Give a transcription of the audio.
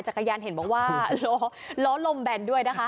จักรยานเห็นบอกว่าล้อลมแบนด้วยนะคะ